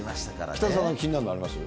北澤さん、気になるものあります？